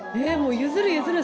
譲る譲る！